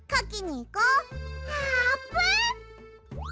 あーぷん！